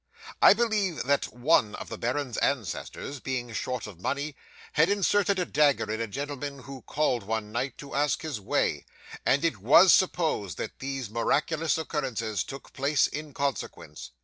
I believe that one of the baron's ancestors, being short of money, had inserted a dagger in a gentleman who called one night to ask his way, and it WAS supposed that these miraculous occurrences took place in consequence.